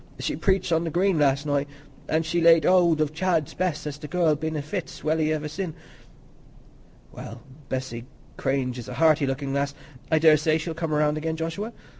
"She preached on the Green last night; an' she's laid hold of Chad's Bess, as the girl's been i' fits welly iver sin'." "Well, Bessy Cranage is a hearty looking lass; I daresay she'll come round again, Joshua.